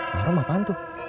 mahrum apaan tuh